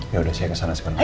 yaudah saya kesana sekarang